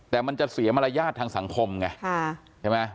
แต่มันจะเสียมารยาททางสังคมไงใช่ไหม